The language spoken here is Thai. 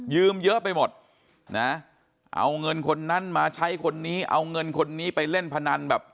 เยอะไปหมดนะเอาเงินคนนั้นมาใช้คนนี้เอาเงินคนนี้ไปเล่นพนันแบบ